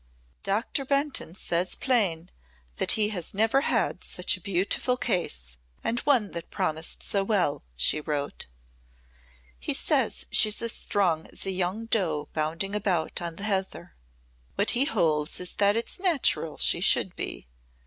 "Doctor Benton says plain that he has never had such a beautiful case and one that promised so well," she wrote. "He says she's as strong as a young doe bounding about on the heather. What he holds is that it's natural she should be.